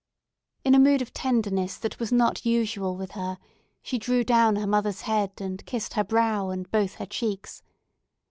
In a mood of tenderness that was not usual with her, she drew down her mother's head, and kissed her brow and both her cheeks.